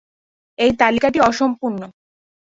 এই তালিকাটি অসম্পূর্ণ